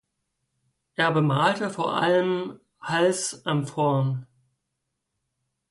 Er bemalte vor allem Halsamphoren.